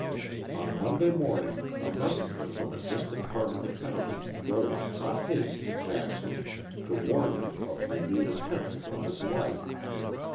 On Monday morning a messenger from a distant part of the county rode hot haste to Jackson to warn him of renewed attempts upon his life.